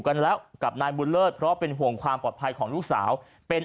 กันแล้วกับนายบุญเลิศเพราะเป็นห่วงความปลอดภัยของลูกสาวเป็น